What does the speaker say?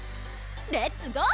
レッツゴー！